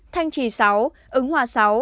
thanh trì sáu ứng hòa sáu